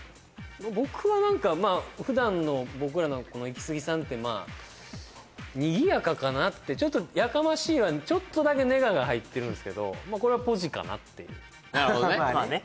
僕は何か普段の僕らのこの「イキスギさん」ってにぎやかかなってちょっとやかましいはちょっとだけネガが入ってるんですけどこれはポジかなっていうなるほどねまあね